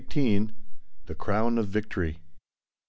THE CROWN OF VICTORY.